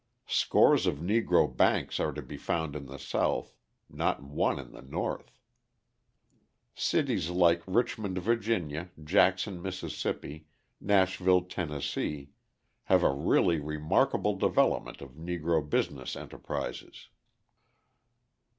Scores of Negro banks are to be found in the South, not one in the North. Cities like Richmond, Va., Jackson, Miss., Nashville, Tenn., have a really remarkable development of Negro business enterprises.